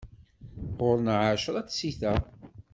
Ɣur-neɣ ɛecra tsita.